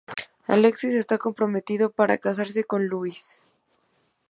Alexis está comprometido para casarse con Louise.